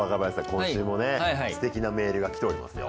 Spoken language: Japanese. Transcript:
今週もねすてきなメールが来ておりますよ。